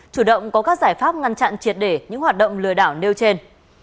chủ động có các giải pháp ngăn chặn triệt để những hoạt động lừa đảo nêu trên